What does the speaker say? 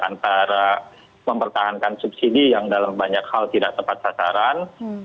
antara mempertahankan subsidi yang dalam banyak hal tidak tepat sasaran